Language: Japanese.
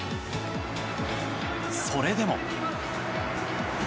それでも。